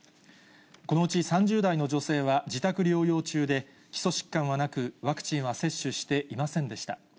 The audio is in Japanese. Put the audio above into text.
このうち３０代の女性は自宅療養中で、基礎疾患はなく、ワクチンは接種していませんでした。